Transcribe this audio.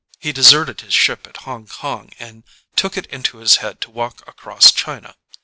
He deserted his ship at Hong Kong and took it into his head to walk across China.